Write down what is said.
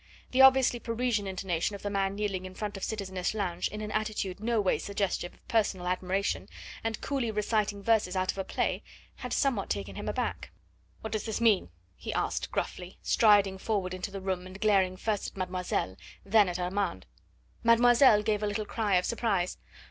The obviously Parisian intonation of the man kneeling in front of citizeness Lange in an attitude no ways suggestive of personal admiration, and coolly reciting verses out of a play, had somewhat taken him aback. "What does this mean?" he asked gruffly, striding forward into the room and glaring first at mademoiselle, then at Armand. Mademoiselle gave a little cry of surprise.